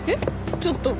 ちょっと。